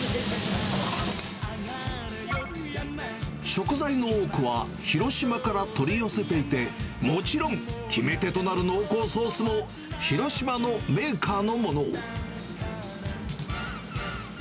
食材の多くは、広島から取り寄せていて、もちろん決め手となる濃厚ソースも、広島のメーカーのもの。